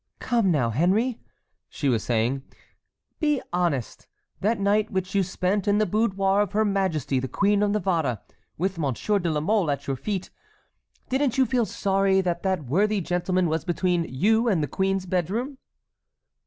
"Come, now, Henry," she was saying, "be honest; that night which you spent in the boudoir of her majesty the Queen of Navarre, with Monsieur de la Mole at your feet, didn't you feel sorry that that worthy gentleman was between you and the queen's bedroom?"